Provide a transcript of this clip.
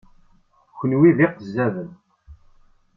Kenwi d iqezzaben!